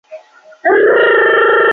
有时会长着鹿角或巨大的生殖器。